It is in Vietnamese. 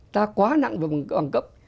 ta quá nặng về bằng cấp